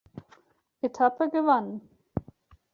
Etappe gewann.